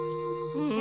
うん。